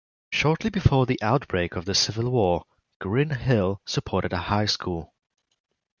Shortly before the outbreak of the Civil War, Green Hill supported a high school.